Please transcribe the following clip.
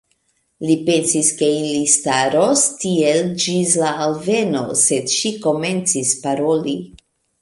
Li pensis ke ili staros tiel ĝis la alveno, sed ŝi komencis paroli.